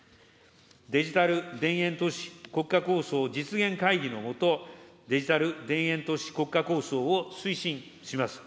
デジタル田園都市国家構想実現会議の下、デジタル田園都市国家構想を推進します。